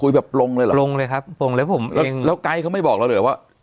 แบบลงเลยเหรอลงเลยครับลงแล้วผมแล้วไกด์เขาไม่บอกเราเลยเหรอว่า